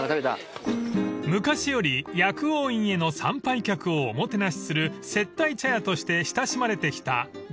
［昔より薬王院への参拝客をおもてなしする接待茶屋として親しまれてきた］